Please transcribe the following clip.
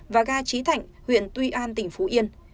và ga trí thạnh huyện tuy an tỉnh phú yên